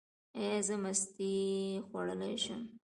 ایا زه مستې خوړلی شم؟